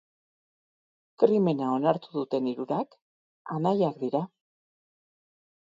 Krimena onartu duten hirurak anaiak dira.